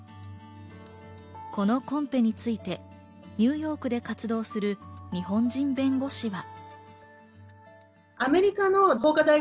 このコンペについてニューヨークで活動する日本人弁護士は。